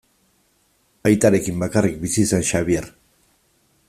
Aitarekin bakarrik bizi zen Xabier.